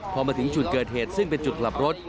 พอมาถึงจุดเกิดเหตุซึ่งเป็นจุดกลับรถ